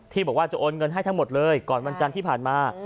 บอกว่าจะโอนเงินให้ทั้งหมดเลยก่อนวันจันทร์ที่ผ่านมา